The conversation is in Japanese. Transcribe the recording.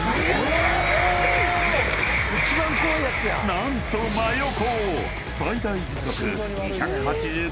［何と真横を］